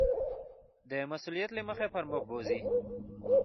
د مسؤلیت له مخې پر مخ بوځي.